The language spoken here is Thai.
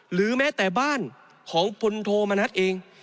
หรือแม้แต่บ้านของพลโทมณัฐเอง